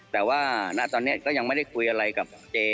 แต่ว่าณตอนนี้ก็ยังไม่ได้คุยอะไรกับเจ